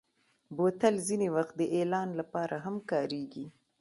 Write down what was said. بوتل ځینې وخت د اعلان لپاره هم کارېږي.